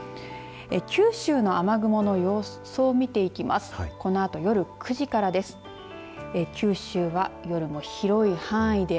九州の雨雲の予想を見ていきます。